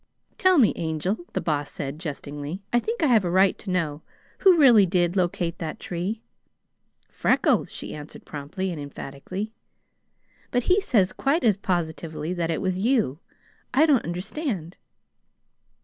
"Tell me, Angel," the Boss said jestingly. "I think I have a right to know. Who really did locate that tree?" "Freckles," she answered promptly and emphatically. "But he says quite as positively that it was you. I don't understand."